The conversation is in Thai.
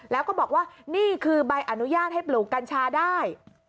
แล้วก็บอกว่านี่คือใบอนุญาตให้ปลูกกัญชาได้